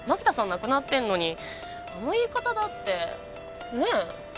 亡くなってるのにあの言い方だってねえ？